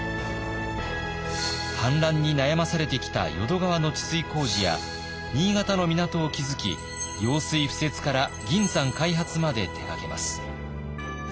氾濫に悩まされてきた淀川の治水工事や新潟の港を築き用水敷設から銀山開発まで手がけます。